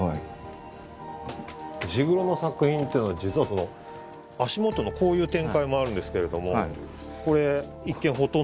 石黒の作品っていうのは実はその足元のこういう展開もあるんですけれども。ですよね。